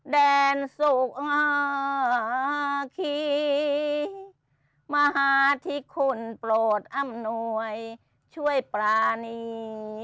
แดนสุขอาคีมหาธิคุณโปรดอำนวยช่วยปรานี